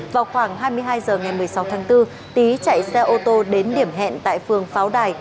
vào khoảng hai mươi hai h ngày một mươi sáu tháng bốn tý chạy xe ô tô đến điểm hẹn tại phường pháo đài